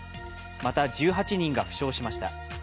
また１８人が負傷しました。